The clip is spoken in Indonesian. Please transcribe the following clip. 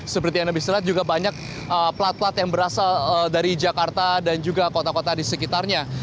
seperti yang anda bisa lihat juga banyak plat plat yang berasal dari jakarta dan juga kota kota di sekitarnya